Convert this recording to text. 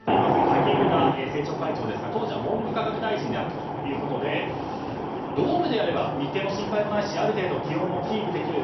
萩生田政調会長ですが当時は文部科学大臣だったということでドームでやれば日程の心配もないしある程度気温もキープできる。